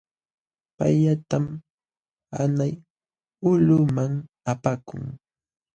Payllaytam hanay ulquman apakun.